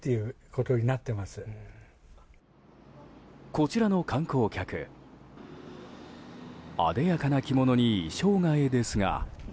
こちらの観光客あでやかな着物に衣装替えですが。